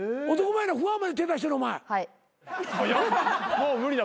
もう無理だと。